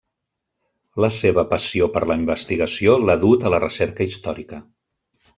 La seva passió per la investigació l'ha dut a la recerca històrica.